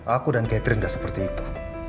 aku dan catherine tidak seperti itu